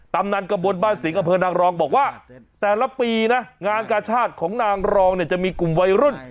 ำนันกระบวนบ้านสิงอำเภอนางรองบอกว่าแต่ละปีนะงานกาชาติของนางรองเนี่ยจะมีกลุ่มวัยรุ่น